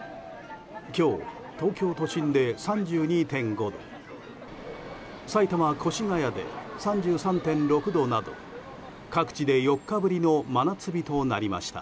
今日、東京都心で３２．５度埼玉・越谷で３３．６度など各地で４日ぶりの真夏日となりました。